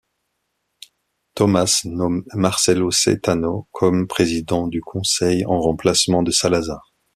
Tomàs nomme Marcelo Caetano comme président du Conseil en remplacement de Salazar.